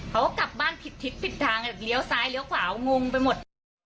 เขาก็กลับบ้านผิดทิศผิดทางแบบเลี้ยวซ้ายเลี้ยวขวางงไปหมด